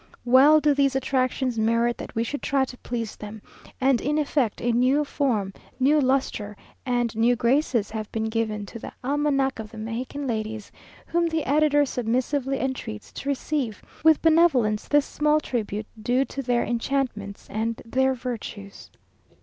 "Well do these attractions merit that we should try to please them; and in effect a new form, new lustre, and new graces have been given to the 'Almanac of the Mexican Ladies,' whom the editor submissively entreats to receive with benevolence this small tribute due to their enchantments and their virtues!"